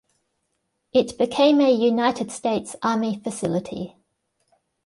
It became a United States Army facility.